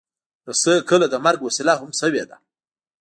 رسۍ کله د مرګ وسیله هم شوې ده.